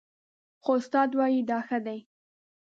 خو استاد وايي دا ښه دي